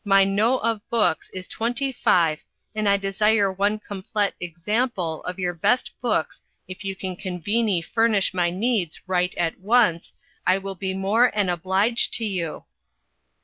the 15 my No of books is twenty five and I desire one complet Example of your best books if you can Conven'y furnish my needs wright at once I will be more an obliged to you.